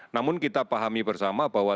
namun kita pahami bersama bahwa